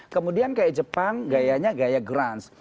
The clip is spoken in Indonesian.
kemudian kayak jepang gayanya gaya grand